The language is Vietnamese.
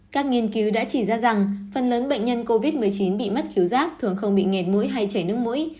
các nghiên cứu đã chỉ ra rằng phần lớn bệnh nhân covid một mươi chín bị mất khíu giác thường không bị nghẹt mũi hay chảy nước mũi